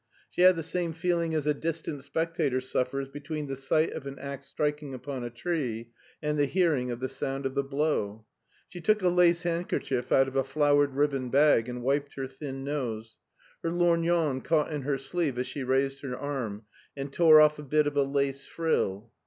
She had the same feeling as a distant spectator suffers between the sight of an ax striking upon a tree and the hearing of the sound of the blow. She took a lace handkerchief out of a flowered ribbon bag and wiped her thin nose. Her lorgnon caught in her sleeve as she rsused her arm, and tore a bit off a lace frill.